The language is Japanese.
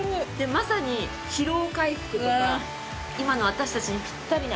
まさに疲労回復とか今の私たちにピッタリな。